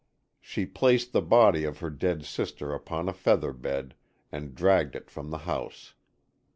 She placed the body of her dead sister upon a feather bed and dragged it from the house.